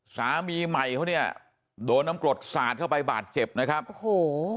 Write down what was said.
สามีใหม่เขาเนี่ยโดนน้ำกรดสาดเข้าไปบาดเจ็บนะครับโอ้โห